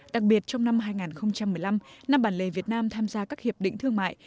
đặc biệt trong năm hai nghìn một mươi năm năm bản lề việt nam tham gia các hiệp định thương mại